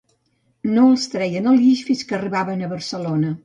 No els treien el guix fins que arribaven a Barcelona